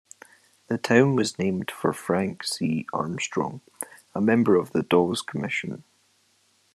The town was named for Frank C. Armstrong, a member of the Dawes Commission.